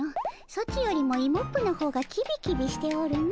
ソチよりもイモップの方がキビキビしておるの。